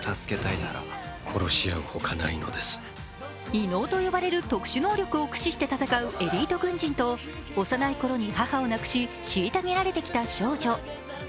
異能と呼ばれる特殊能力を駆使して戦うエリート軍人と幼いころに母を亡くし、しいたげられてきた少女。